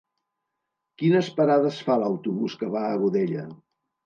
Quines parades fa l'autobús que va a Godella?